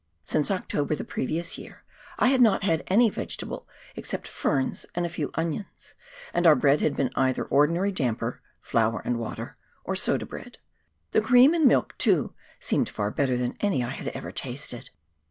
Since October, the previous year, I had not had any vegetable except ferns and a few onions, and our bread had been either ordinary damper — flour and water — or soda bread. The cream and milk too seemed far better than any I had ever tasted.